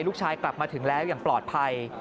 กลับมาถึงแล้วอย่างปลอดภัย